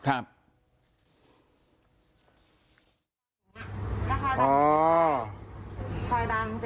อ่าฮะ